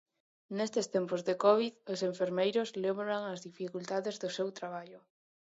Nestes tempos de covid, os enfermeiros lembran as dificultades do seu traballo.